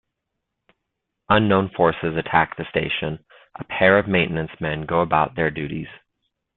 Unknown forces attack the station; a pair of maintenance men go about their duties.